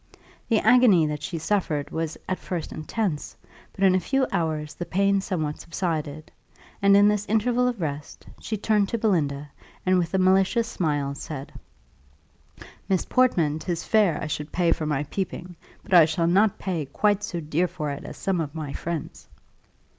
The agony that she suffered was at first intense, but in a few hours the pain somewhat subsided; and in this interval of rest she turned to Belinda, and with a malicious smile said, "Miss Portman, 'tis fair I should pay for my peeping; but I shall not pay quite so dear for it as some of my friends."